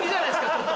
ちょっと。